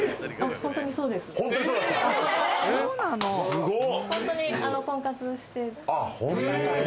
すごっ。